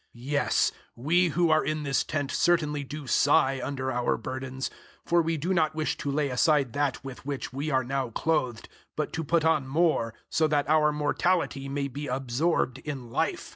005:004 Yes, we who are in this tent certainly do sigh under our burdens, for we do not wish to lay aside that with which we are now clothed, but to put on more, so that our mortality may be absorbed in Life.